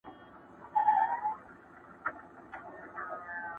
پاچاهان نه د چا وروڼه نه خپلوان دي!